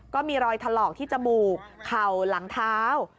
ก็มีรอยถลอกที่จมูกเข่าหลังเท้า